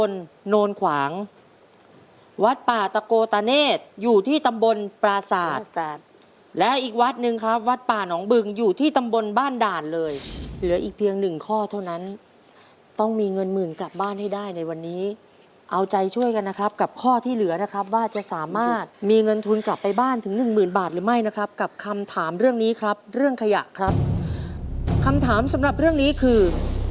เหลืออีกเพียงหนึ่งข้อเท่านั้นต้องมีเงินหมื่นกลับบ้านให้ได้ในวันนี้เอาใจช่วยกันนะครับกับข้อที่เหลือนะครับว่าจะสามารถมีเงินทุนกลับไปบ้านถึงหนึ่งหมื่นบาทหรือไม่นะครับกับคำถามเรื่องนี้ครับเรื่องขยะครับคำถามสำหรับเรื่องนี้คือ